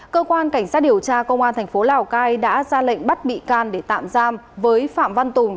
cơ quan cảnh sát điều tra công an thành phố lào cai đã ra lệnh bắt bị can để tạm giam với phạm văn tùng